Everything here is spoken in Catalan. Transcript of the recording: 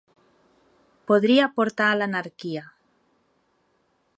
Podria portar a l'anarquia.